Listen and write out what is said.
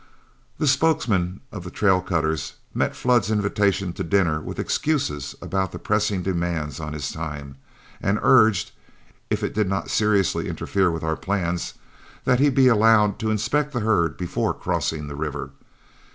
The spokesman of the trail cutters met Flood's invitation to dinner with excuses about the pressing demands on his time, and urged, if it did not seriously interfere with our plans, that he be allowed to inspect the herd before crossing the river.